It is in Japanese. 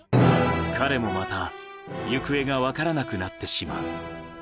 彼もまた、行方が分からなくなってしまう。